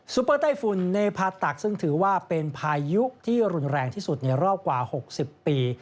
เปอร์ไต้ฝุ่นในพาตักซึ่งถือว่าเป็นพายุที่รุนแรงที่สุดในรอบกว่า๖๐ปี